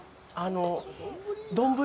丼。